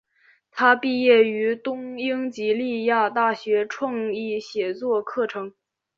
她毕业于东英吉利亚大学创意写作课程。